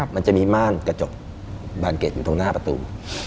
มันจะมีม่านกระจกบานเก็ตอยู่ตรงหน้าประตู